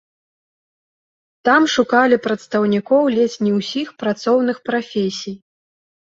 Там шукалі прадстаўнікоў ледзь не ўсіх працоўных прафесій.